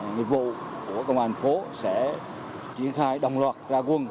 nghiệp vụ của công an thành phố sẽ triển khai đồng loạt ra quân